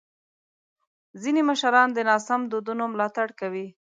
ځینې مشران د ناسم دودونو ملاتړ کوي.